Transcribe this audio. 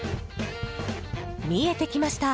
見えてきました。